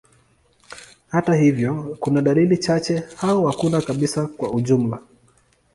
Hata hivyo, kuna dalili chache au hakuna kabisa kwa ujumla.